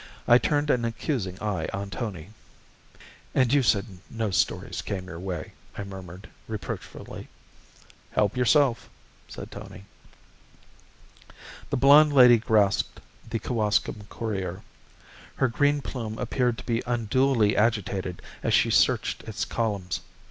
I turned an accusing eye on Tony. "And you said no stories came your way," I murmured, reproachfully. "Help yourself," said Tony. The blonde lady grasped the Kewaskum Courier. Her green plume appeared to be unduly agitated as she searched its columns.